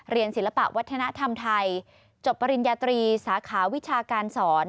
ศิลปะวัฒนธรรมไทยจบปริญญาตรีสาขาวิชาการสอน